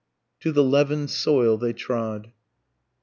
TO THE LEAVEN'D SOIL THEY TROD.